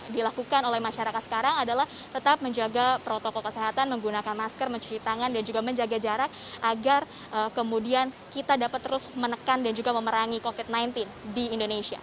dilakukan oleh masyarakat sekarang adalah tetap menjaga protokol kesehatan menggunakan masker mencuci tangan dan juga menjaga jarak agar kemudian kita dapat terus menekan dan juga memerangi covid sembilan belas di indonesia